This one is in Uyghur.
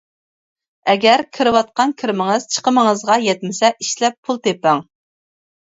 ئەگەر كىرىۋاتقان كىرىمىڭىز چىقىمىڭىزغا يەتمىسە، ئىشلەپ پۇل تېپىڭ.